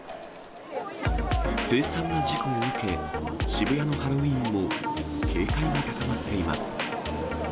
せい惨な事故を受け、渋谷のハロウィーンも警戒が高まっています。